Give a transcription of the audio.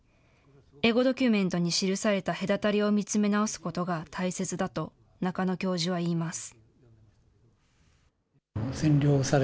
エゴドキュメントに記された隔たりを見つめ直すことが大切だと中野教授は言います。